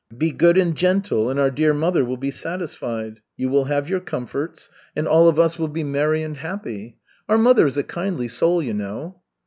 Be good and gentle, and our dear mother will be satisfied. You will have your comforts, and all of us will be merry and happy. Our mother is a kindly soul, you know."